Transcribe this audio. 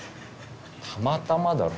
たまたまだろ。